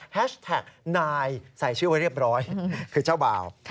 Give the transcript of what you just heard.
แท็กนายใส่ชื่อไว้เรียบร้อยคือเจ้าบ่าว